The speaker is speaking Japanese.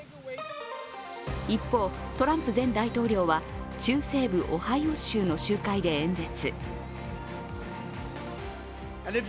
一方、トランプ前大統領は中西部オハイオ州の集会で演説。